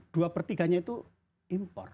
dua per tiga nya itu impor